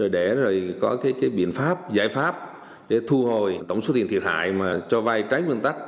để có biện pháp giải pháp để thu hồi tổng số tiền thiệt hại cho vay trái phương tắc